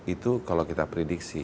itu kalau kita prediksi